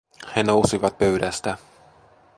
He nousivat pöydästä.